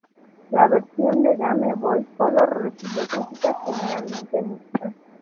La versión de Game Boy Color recibió críticas generalmente mixtas.